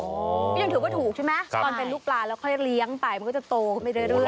ก็ยังถือว่าถูกใช่ไหมตอนเป็นลูกปลาแล้วค่อยเลี้ยงไปมันก็จะโตขึ้นไปเรื่อย